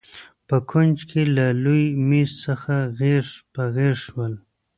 په کونج کې له لوی مېز څخه غېږ په غېږ شول.